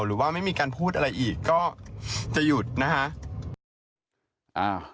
หรือว่าไม่มีการพูดอะไรอีกก็จะหยุดนะคะ